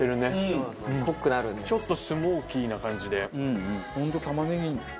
ちょっとスモーキーな感じで。